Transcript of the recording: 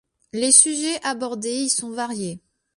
Les sujets abordés y sont variés.